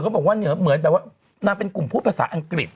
บอกว่าเหนือเหมือนแบบว่านางเป็นกลุ่มพูดภาษาอังกฤษ